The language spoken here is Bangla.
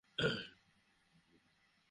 নিজের খেয়াল রেখো, ঠিক আছে?